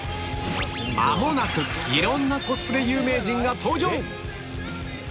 間もなくいろんなコスプレ有名人が登場！